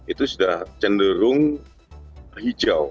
itu sudah cenderung hijau